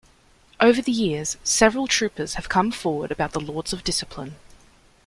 Over the years, several troopers have come forward about the Lords of Discipline.